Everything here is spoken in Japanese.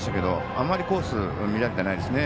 あまりコース見られてないですね。